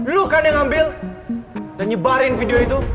lo kan yang ngambil dan nyebarin video itu